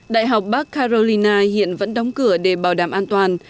đại học bắc carolina hiện vẫn đóng cửa để bảo đảm an toàn